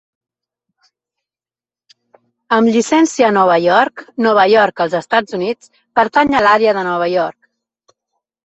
Amb llicència a Nova York, Nova York, els Estats Units, pertany a l'àrea de Nova York.